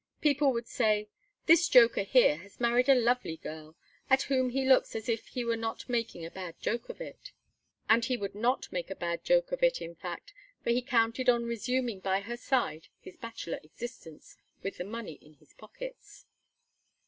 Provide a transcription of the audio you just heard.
People would say: "This joker here has married a lovely girl, at whom he looks as if he were not making a bad joke of it." And he would not make a bad joke of it, in fact, for he counted on resuming by her side his bachelor existence with the money in his pockets.